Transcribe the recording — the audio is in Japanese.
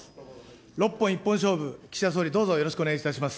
６分１本勝負、岸田総理、どうぞよろしくお願いいたします。